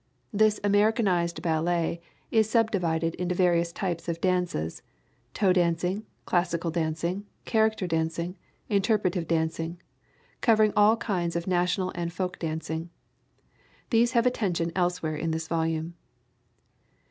This Americanized ballet is subdivided into various types of dances toe dancing, classical dancing, character dancing, interpretive dancing, covering all kinds of National and folk dancing. These have attention elsewhere in this volume.